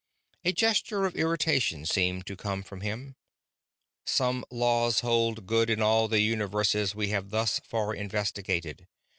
A gesture of irritation seemed to come from him. "Some laws hold good in all the universes we have thus far investigated.